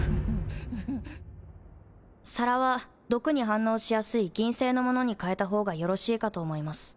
皿は毒に反応しやすい銀製のものに替えた方がよろしいかと思います。